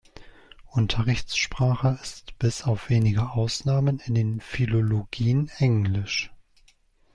Unterrichtssprache ist bis auf wenige Ausnahmen in den Philologien Englisch.